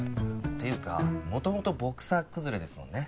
っていうか元々ボクサー崩れですもんね。